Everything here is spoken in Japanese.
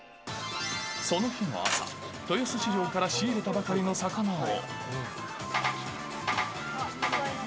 その日の朝、豊洲市場から仕入れたばかりの魚を。